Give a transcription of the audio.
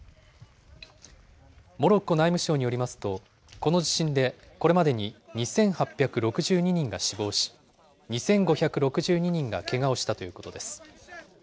モロッコ内務省によりますと、この地震でこれまでに２８６２人が死亡し、２５６２人がけがをしたということです。